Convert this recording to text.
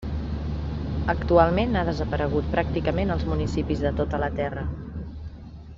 Actualment ha desaparegut pràcticament als municipis de tota la terra.